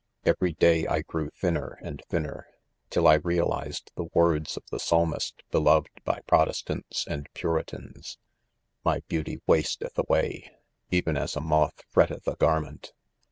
'Every day I grew thinner and thinner,. till I realized the words of the psalmist beloved by protestants and puritans :" My beauty wasteth away, even as a .moth fretteth a gar ment."